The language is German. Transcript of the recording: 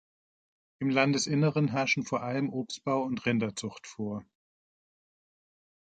Im Landesinneren herrschen vor allem Obstbau und Rinderzucht vor.